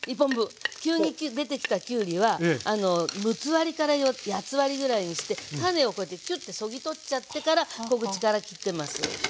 急に出てきたきゅうりは六つ割りから八つ割りぐらいにして種をこうやってチョッてそぎ取っちゃってから小口から切ってます。